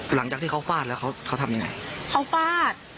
หลังจากที่เขาฟาดแล้วเขาเพราะที่เขาฟาด